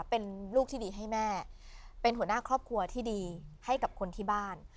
เป็นลูกที่ดีให้แม่เป็นหัวหน้าครอบครัวที่ดีให้กับคนที่บ้าน